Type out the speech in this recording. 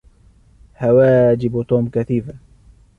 حواجب توم كثيفه